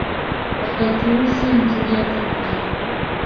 Wakati huu si mzuri ata kidogo